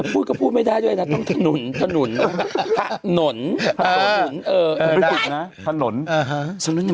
คือคือคือคือคือคือคือ